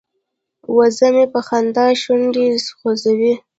وزه مې په خندا شونډې خوځوي.